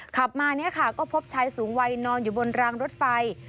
ขับมาเนี่ยค่ะก็พบชายสูงวัยนอนอยู่บนรางรถไฟ